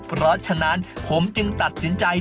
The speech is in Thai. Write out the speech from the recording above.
เพราะฉะนั้นผมจึงตัดสินใจ